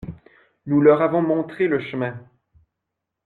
Nous leur avons montré le chemin.